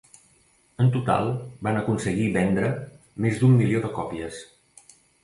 En total, van aconseguir vendre més d'un milió de còpies.